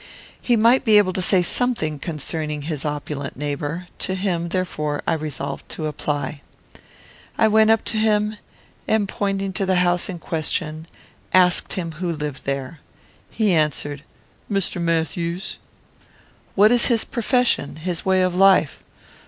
He might be able to say something concerning his opulent neighbour. To him, therefore, I resolved to apply. I went up to him, and, pointing to the house in question, asked him who lived there. He answered, "Mr. Matthews." "What is his profession, his way of life?"